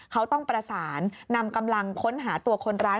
เขาต้องประสานนำกำลังค้นหาตัวคนร้าย